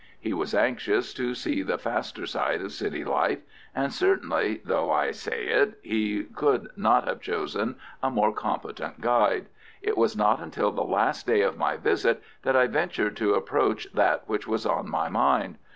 He was anxious to see the faster side of city life, and certainly, though I say it, he could not have chosen a more competent guide. It was not until the last day of my visit that I ventured to approach that which was on my mind.